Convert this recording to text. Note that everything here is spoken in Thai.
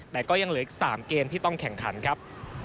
แต่ก็ยังเหลืออีก๓เกมที่ต้องแข่งขันครับ